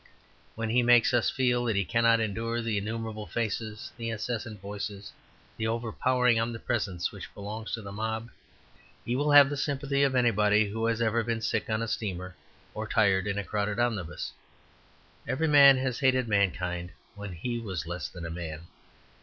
When he makes us feel that he cannot endure the innumerable faces, the incessant voices, the overpowering omnipresence which belongs to the mob, he will have the sympathy of anybody who has ever been sick on a steamer or tired in a crowded omnibus. Every man has hated mankind when he was less than a man.